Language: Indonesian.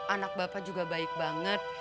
anak bapak juga baik banget